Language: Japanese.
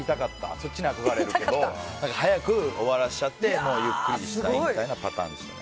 そっちに憧れるけど早く終わらせちゃってゆっくりしたいみたなパターンでしたね。